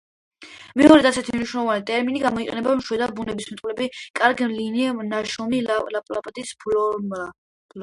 მეორედ ასეთი მნიშვნელობით ტერმინი გამოიყენა შვედმა ბუნებისმეტყველმა კარლ ლინემ ნაშრომში „ლაპლანდიის ფლორა“.